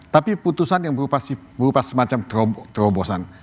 tapi putusan yang berupa semacam terobosan